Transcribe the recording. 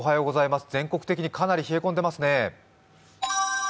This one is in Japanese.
全国的にかなり冷え込んでますね。